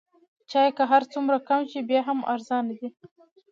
چای که هر څومره کم شي بیا هم ارزانه دی.